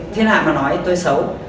thiên hạ mà nói tôi xấu